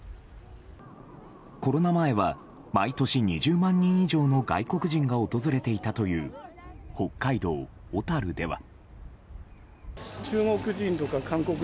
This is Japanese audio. コロナ前は毎年２０万人以上の外国人が訪れていたという北海道小樽では。